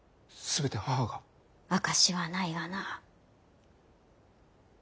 証しはないがな。